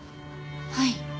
はい。